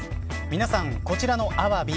皆さん、こちらのアワビ